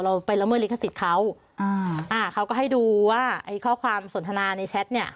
ไปละเมิดลิขสิทธิ์เขาอ่าอ่าเขาก็ให้ดูว่าไอ้ข้อความสนทนาในแชทเนี่ย